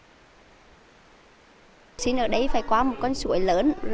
học sinh ở đây phải qua một con suối lớn